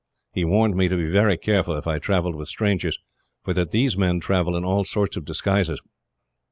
He warned me to be very careful, if I travelled with strangers, for that these men travel in all sorts of disguises.